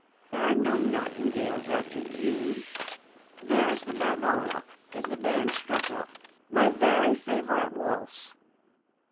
'There are no nightingales after June. There is the Manola,' as the band struck up, 'my very favourite waltz.'